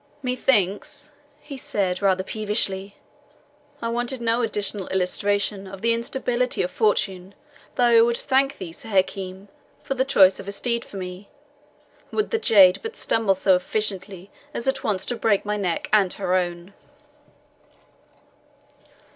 "Methinks," he said, rather peevishly, "I wanted no additional illustration of the instability of fortune though I would thank thee, Sir Hakim, for the choice of a steed for me, would the jade but stumble so effectually as at once to break my neck and her own."